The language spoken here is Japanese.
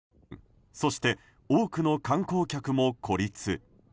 そして多くの観光客も孤立。